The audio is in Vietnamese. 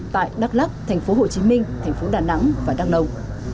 tại đắk lắc thành phố hồ chí minh thành phố đà nẵng và đắk nông